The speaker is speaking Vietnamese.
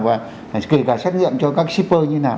và kể cả xét nghiệm cho các shipper như thế nào